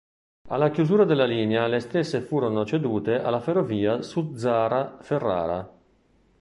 Alla chiusura della linea le stesse furono cedute alla Ferrovia Suzzara-Ferrara.